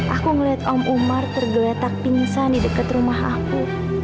aku ngeliat om umar tergeletak pingsan di dekat rumah aku